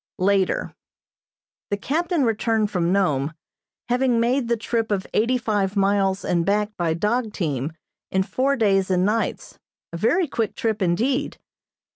Later: The captain returned from Nome, having made the trip of eighty five miles and back by dog team in four days and nights, a very quick trip indeed.